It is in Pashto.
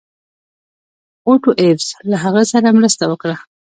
اوټو ایفز له هغه سره مرسته وکړه.